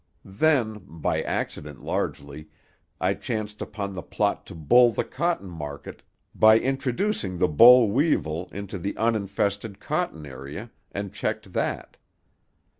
Then, by accident largely, I chanced upon the plot to bull the cotton market by introducing the boll weevil into the uninfested cotton area, and checked that.